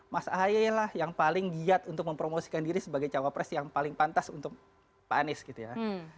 mas ahy lah yang paling giat untuk mempromosikan diri sebagai cawapres yang paling pantas untuk pak anies gitu ya